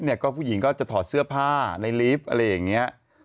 ผู้หญิงก็จะถอดเสื้อผ้าในลิฟต์อะไรอย่างนี้